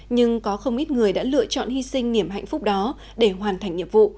nhưng có không ít người đã lựa chọn hy sinh niềm hạnh phúc đó để hoàn thành nhiệm vụ